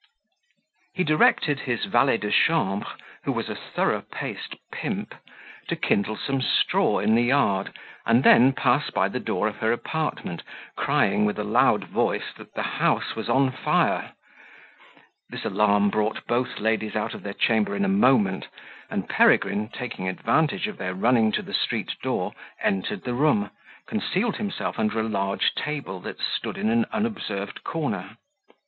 He directed his valet de chambre, who was a thorough paced pimp, to kindle some straw in the yard, and then pass by the door of her apartment, crying with a loud voice that the house was on fire. This alarm brought both ladies out of their chamber in a moment, and Peregrine, taking the advantage of their running to the street door, entered the room, concealed himself under a large table that stood in an unobserved corner.